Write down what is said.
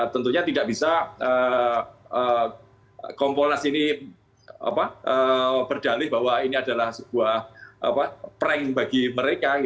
tentunya tidak bisa kompolnas ini berdalih bahwa ini adalah sebuah prank bagi mereka